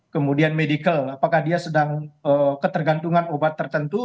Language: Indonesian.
kemudian medical apakah dia sedang ketergantungan obat tertentu